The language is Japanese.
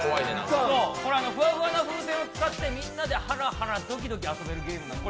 これはふわふわな風船を使ってみんなでハラハラドキドキ遊べるゲームです。